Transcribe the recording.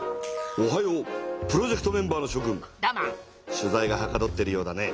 取材がはかどってるようだね。